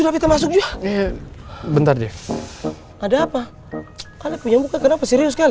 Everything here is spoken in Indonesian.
bentar ada apa